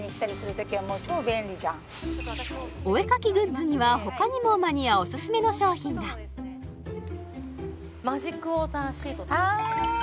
すごい！お絵描きグッズには他にもマニアおすすめの商品がマジックウォーターシートって知ってます？